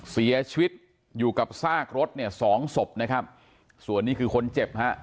เสียชีวิตอยู่กับซากรถเนี่ยสองศพนะครับส่วนนี้คือคนเจ็บฮะ